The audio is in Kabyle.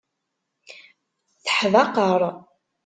Teḥdaqer.